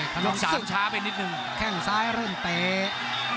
ขนองสึกแข่งซ้ายเริ่มเตะ